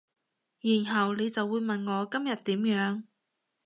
然後你就會問我今日點樣